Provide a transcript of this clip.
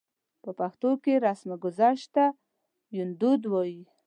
په پښتو کې رسمګذشت ته يوندود وايي.